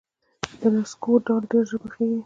د نسکو دال ډیر ژر پخیږي.